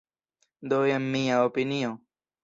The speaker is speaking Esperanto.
Do jen mia opinio.